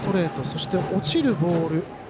そして落ちるボール。